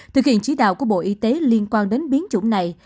thực hiện chỉ đạo của bộ y tế liên quan đến biến chủng này